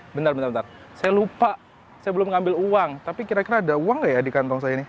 eh eh eh bentar bentar saya lupa saya belum ambil uang tapi kira kira ada uang nggak ya di kantong saya ini